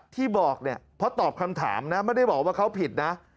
ที่บอกเนี่ยเพราะตอบคำถามนะไม่ได้บอกว่าเขาผิดนะ